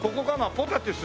ポタティス。